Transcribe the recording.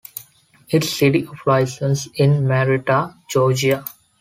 Its city of license is Marietta, Georgia.